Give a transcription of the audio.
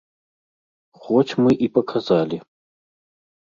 Хоць мы і паказалі.